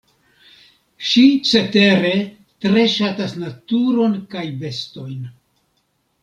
Ŝi cetere tre ŝatas naturon kaj bestojn.